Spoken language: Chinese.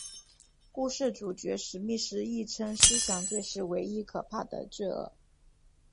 故事主角史密斯亦称思想罪是唯一可怕的罪恶。